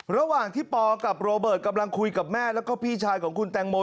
ระหว่างที่ปกับโรเบิร์ตกำลังคุยกับแม่แล้วก็พี่ชายของคุณแตงโม